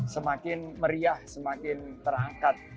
semakin meriah semakin terangkat